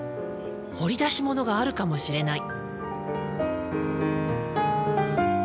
掘り出しものがあるかもしれない。